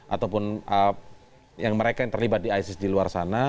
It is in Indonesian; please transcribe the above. ataupun yang mereka yang terlibat di isis di luar sana